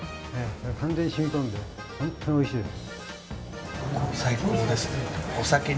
完全に染み込んで、本当においしいです。